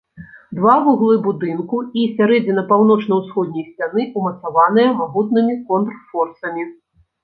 Два вуглы будынку і сярэдзіна паўночна-ўсходняй сцяны ўмацаваныя магутнымі контрфорсамі.